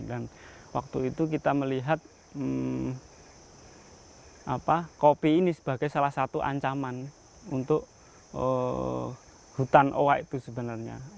dan waktu itu kita melihat kopi ini sebagai salah satu ancaman untuk hutan owa itu sebenarnya